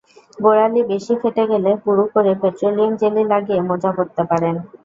গোড়ালি বেশি ফেটে গেলে পুরু করে পেট্রোলিয়াম জেলি লাগিয়ে মোজা পরতে পারেন।